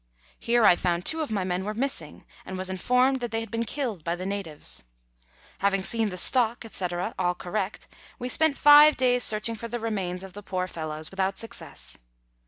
Here I found two of my men were missing, and was informed that they had been killed by the natives. Having seen the stock, &c., all correct, we spent five days searching for the remains of the poor fellows, without success.